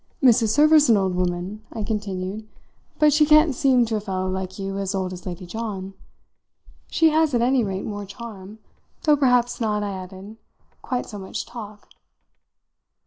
"Mrs. Server's an old woman," I continued, "but she can't seem to a fellow like you as old as Lady John. She has at any rate more charm; though perhaps not," I added, "quite so much talk."